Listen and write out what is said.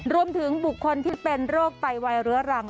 รวมถึงบุคคลที่เป็นโรคไตวายเรื้อรัง